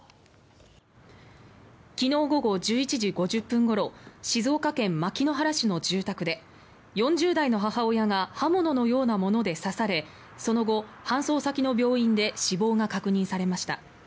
昨日午後１１時５０分ごろ静岡県牧之原市の住宅で４０代の母親が刃物のようなもので刺されその後、搬送先の病院で死亡が確認されました。